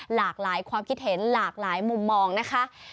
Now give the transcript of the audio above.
หลากหลายความคิดเห็นหลากหลายมุมมองนะคะ